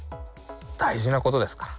大事なことですから。